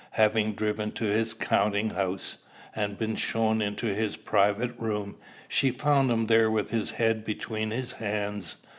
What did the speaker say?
Having driven to his counting house, and been shown into his private room, she found him there with his head between his hands.